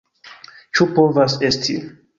Ĉu povas esti?